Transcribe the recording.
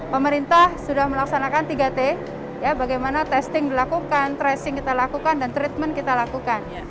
pemerintah sudah melaksanakan tiga t bagaimana testing dilakukan tracing kita lakukan dan treatment kita lakukan